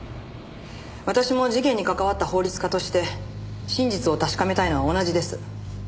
私も事件に関わった法律家として真実を確かめたいのは同じです。